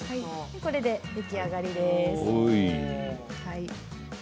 これで出来上がりです。